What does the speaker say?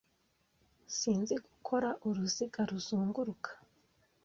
Sinzi gukora uruziga ruzunguruka.